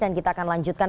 dan kita akan lanjutkan